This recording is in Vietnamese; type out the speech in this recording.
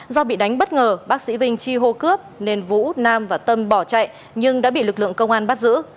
do bị đánh bất ngờ bác sĩ vinh chi hô cướp nên vũ nam và tâm bỏ chạy nhưng đã bị lực lượng công an bắt giữ